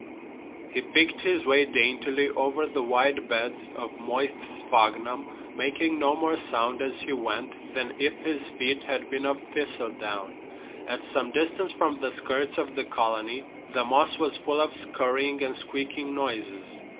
He picked his way daintily over the wide beds of moist sphagnum, making no more sound as he went than if his feet had been of thistledown. At some distance from the skirts of the colony the moss was full of scurrying and squeaking noises.